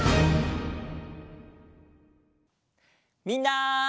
みんな！